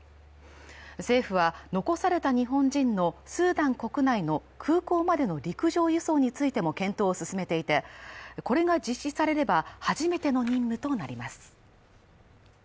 政府は残された日本人のスーダン国内の空港までの陸上輸送についても検討していて、これが実施されれば、初めての任務となります。